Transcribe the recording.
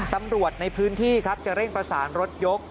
ตำรวจในพื้นที่ครับจะเร่งประสานรถยก